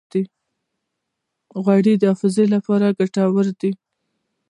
غوړې د حافظې لپاره ګټورې دي.